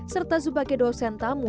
serta sebagai dosen tamu